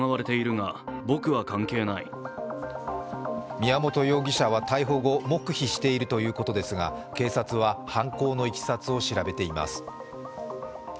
宮本容疑者は逮捕後、黙秘しているということですが、警察は犯行のいきさつを調べています。